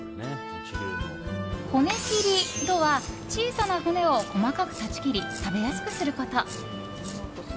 骨切りとは小さな骨を細かく断ち切り食べやすくすること。